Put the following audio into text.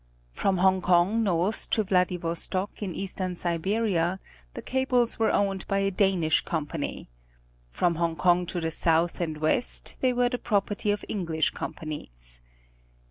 From Hong Kong north to Vladivostok in Eastern Siberia the cables were owned by a Danish company. From Hong Kong to the south and west they were the property of English companies.